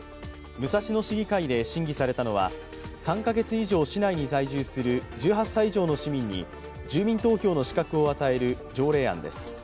武蔵野市議会で審議されたのは３カ月以上、市内に在住する１８歳以上の市民に住民投票の資格を与える条例案です。